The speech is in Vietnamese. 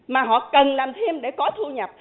mà họ cần làm thêm để có thu nhập